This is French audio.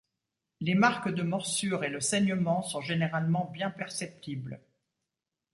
Les marques de morsure et le saignement sont généralement bien perceptibles.